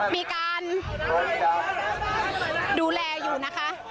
มีการดูแลอยู่นะคะ